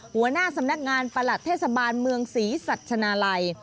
หัวหน้าสำนักงานประหลัดเทศบาลเมืองศรีสัชนาลัย